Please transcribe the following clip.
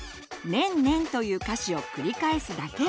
「ねんねん」という歌詞を繰り返すだけ！